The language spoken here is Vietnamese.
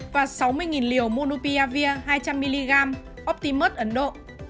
và sáu mươi liều monopiavia hai trăm linh mg optimus ấn độ